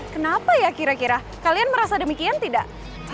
kenapa ya kira kira kalian merasa demikian tidak